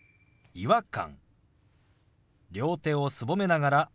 「違和感」。